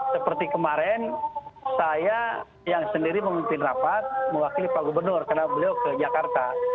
seperti kemarin saya yang sendiri memimpin rapat mewakili pak gubernur karena beliau ke jakarta